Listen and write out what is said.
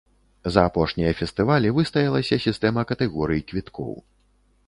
За апошнія фестывалі выстаялася сістэма катэгорый квіткоў.